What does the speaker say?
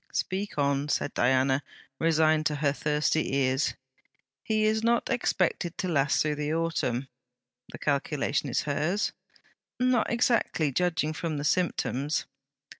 'Speak on,' said Diana, resigned to her thirsty ears. 'He is not expected to last through the autumn.' 'The calculation is hers?' 'Not exactly: judging from the symptoms.'